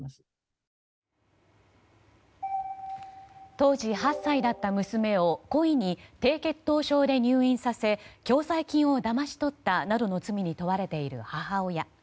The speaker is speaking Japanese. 当時８歳だった娘を故意に低血糖症で入院させ共済金をだまし取ったなどの罪に問われている母親。